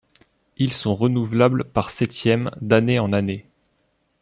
Ils sont renouvelables par septième d'année en année.